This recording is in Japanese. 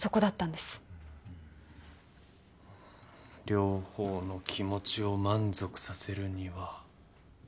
両方の気持ちを満足させるには。